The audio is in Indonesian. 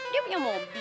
dia punya mobil